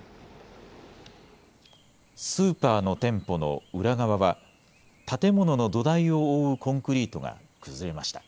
スーパーの店舗の裏側は建物の土台を覆うコンクリートが崩れました。